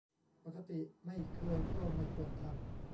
ปกติไม่เคย ก็ไม่ควรทำ